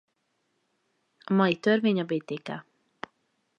A mai törvény a Btk.